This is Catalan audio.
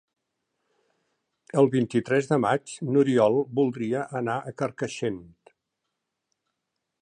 El vint-i-tres de maig n'Oriol voldria anar a Carcaixent.